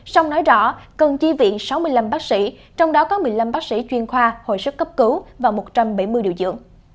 song nói rõ cần chi viện sáu mươi năm bác sĩ trong đó có một mươi năm bác sĩ chuyên khoa hồi sức cấp cứu và một trăm bảy mươi điều dưỡng